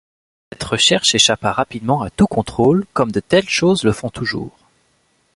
Cette recherche échappa rapidement à tout contrôle, comme de telles choses le font toujours.